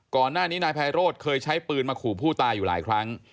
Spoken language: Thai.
ก่อนหน้านี้นายไพโรธเคยใช้ปืนมาขู่ผู้ตายอยู่หลายครั้ง